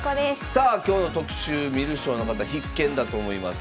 さあ今日の特集観る将の方必見だと思います。